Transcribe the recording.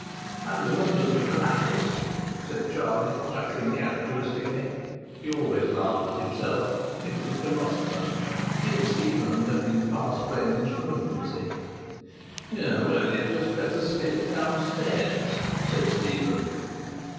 "And the wonders of the night," said Charlie, chuckling characteristically. He always laughed at himself. He was a philosopher. He and Stephen had been fast friends from infancy. "Well, you'd just better skate downstairs," said Stephen.